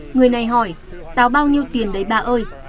người này hỏi táo bao nhiêu tiền đấy bà ơi